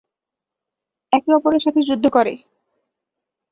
একে অপরের সাথে যুদ্ধ করে।